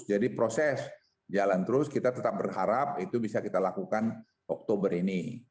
proses jalan terus kita tetap berharap itu bisa kita lakukan oktober ini